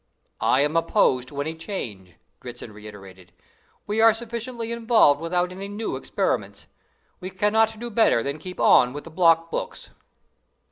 "I am opposed to any change," Dritzhn reiterated; "we are sufficiently involved without any new experiments. We cannot do better than keep on with the block books."